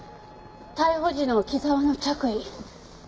逮捕時の木沢の着衣。